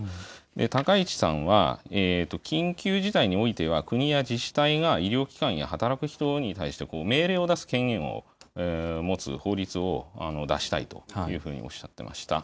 高市さんは、緊急事態においては、国や自治体が医療機関や働く人に対して命令を出す権限を持つ法律を出したいというふうにおっしゃっていました。